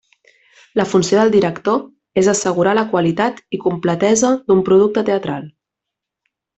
La funció del director és assegurar la qualitat i completesa d'un producte teatral.